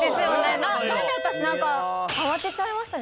なんで私なんか慌てちゃいましたね。